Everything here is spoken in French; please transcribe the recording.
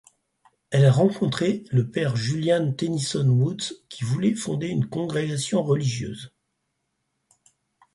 Elle a rencontré le Père Julian Tenison Woods qui voulait fonder une congrégation religieuse.